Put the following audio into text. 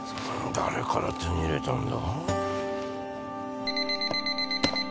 誰から手に入れたんだ？